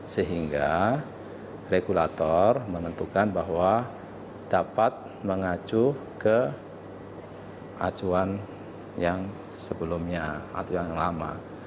sehingga regulator menentukan bahwa dapat mengacu ke acuan yang sebelumnya atau yang lama